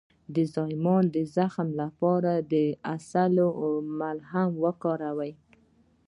د زایمان د زخم لپاره د عسل ملهم وکاروئ